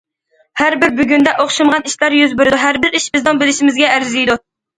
ھەربىر بۈگۈندە ئوخشىمىغان ئىشلار يۈز بېرىدۇ، ھەربىر ئىش بىزنىڭ بىلىشىمىزگە ئەرزىيدۇ.